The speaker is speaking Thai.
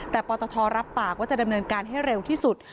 แต่ปตทรับปากว่าจะดำเนินการให้เร็วที่สุด